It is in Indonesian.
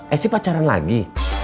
eh sih pacaran lagi